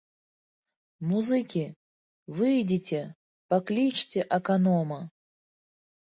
Музыкі, выйдзіце, паклічце аканома!